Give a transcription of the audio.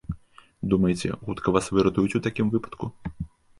Думаеце, хутка вас выратуюць у такім выпадку?